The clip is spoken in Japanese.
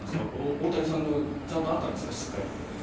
大谷さんのちゃんとあったんですか？